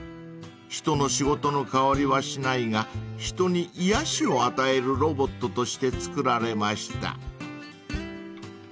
［人の仕事の代わりはしないが人に癒やしを与えるロボットとして作られました］